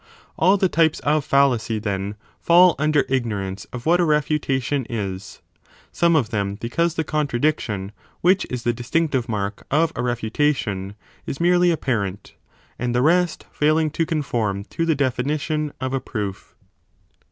All the types of fallacy, 1 then, fall under ignorance of what a refutation is, some of them 2 because the 3 contradiction, 20 which is the distinctive mark of a refutation, is merely apparent, and the rest failing to conform to the definition of a proof.